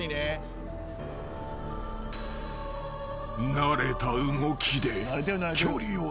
［慣れた動きで距離を詰める］